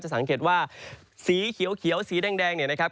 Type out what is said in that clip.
สังเกตว่าสีเขียวสีแดงเนี่ยนะครับ